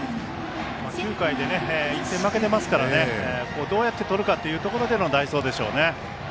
９回で１点、負けてますからねどうやって取るかというところでの代走でしょうね。